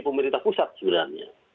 pemerintah pusat sebenarnya